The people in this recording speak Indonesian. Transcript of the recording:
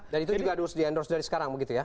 dan itu juga di endorse dari sekarang begitu ya